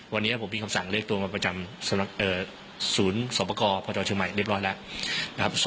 วันนี้ผมมีคำสั่งเลขตัวมาประจำศูนย์สมประกอบพชมเรียบร้อยแล้ว